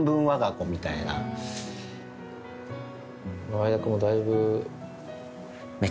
前田君もだいぶ。